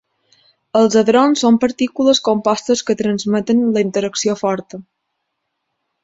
Els hadrons són partícules compostes que transmeten la interacció forta.